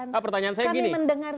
kami mendengar sendiri